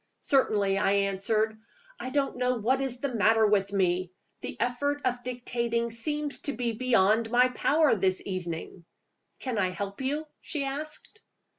"Certainly," I answered. "I don't know what is the matter with me. The effort of dictating seems to be beyond my power this evening." "Can I help you?" she asked.